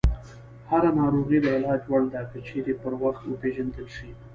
هره ناروغي د علاج وړ ده، که چیرې پر وخت وپېژندل شي.